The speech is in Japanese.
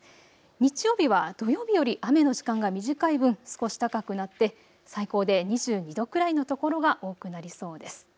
日曜日は土曜日より雨の時間が短い分、少し高くなって最高で２２度くらいの所が多くなりそうです。